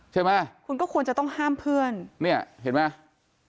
ใช่ไหมคุณก็ควรจะต้องห้ามเพื่อนเนี่ยเห็นไหม